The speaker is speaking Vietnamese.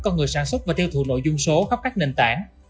con người sản xuất và tiêu thụ nội dung số khắp các nền tảng